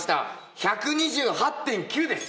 １２８．９です。